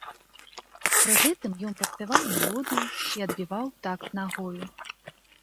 Пры гэтым ён падпяваў мелодыю і адбіваў такт нагою.